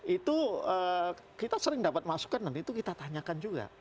itu kita sering dapat masukan dan itu kita tanyakan juga